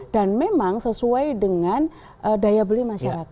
dan memang sesuai dengan daya beli masyarakat